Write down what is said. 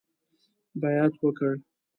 بیعت وکړ.